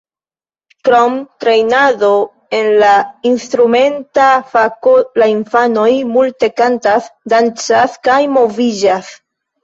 Krom trejnado en la instrumenta fako la infanoj multe kantas, dancas kaj moviĝas.